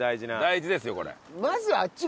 大事ですよこれ。